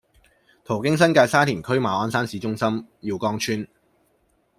途經新界沙田區馬鞍山市中心、耀安邨、